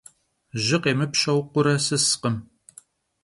Jı khêmıpşeu khure sıskhım.